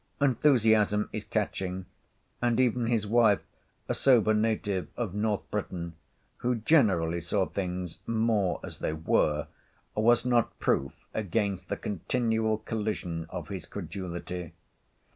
Enthusiasm is catching; and even his wife, a sober native of North Britain, who generally saw things more as they were, was not proof against the continual collision of his credulity.